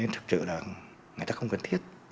thực sự là người ta không cần thiết